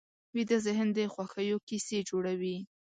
ویده ذهن د خوښیو کیسې جوړوي